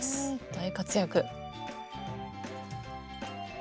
大活躍。